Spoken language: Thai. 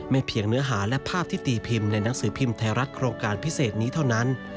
เพียงเนื้อหาและภาพที่ตีพิมพ์ในหนังสือพิมพ์ไทยรัฐโครงการพิเศษนี้เท่านั้น